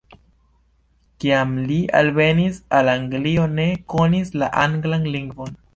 Kiam li alvenis al Anglio ne konis la anglan lingvon.